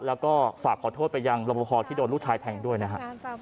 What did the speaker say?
แล้วก็ฝากขอโทษไปยังรบพอที่โดนลูกชายแทงด้วยนะฮะ